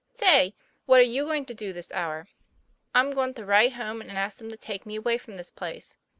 "Say, what are you going to do this hour?" " I'm goin' to write home and ask them to take me away from this place."